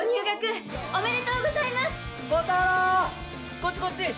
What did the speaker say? こっちこっち！